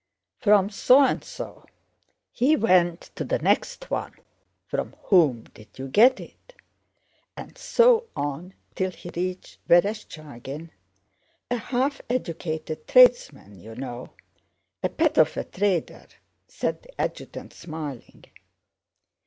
'From so and so.' He went to the next one. 'From whom did you get it?' and so on till he reached Vereshchágin, a half educated tradesman, you know, 'a pet of a trader,'" said the adjutant smiling.